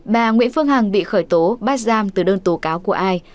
bà nguyễn phương hằng bị khởi tố bắt giam từ đơn tố cáo của ai